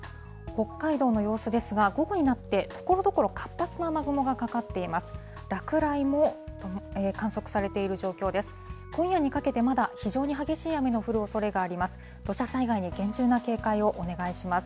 北海道の様子ですが、午後になって、ところどころ、活発な雨雲がかかっています。